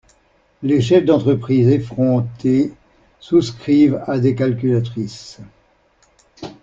Les chefs d'entreprise effrontés souscrivent à des calculatrices.